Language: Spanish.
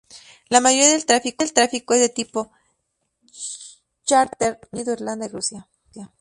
La mayoría del tráfico es de tipo chárter de Reino Unido, Irlanda y Rusia.